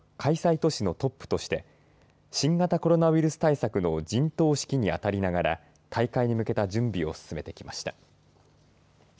都市のトップとして新型コロナウイルス対策の陣頭指揮にあたりながら大会に向けた準備を進めてきました。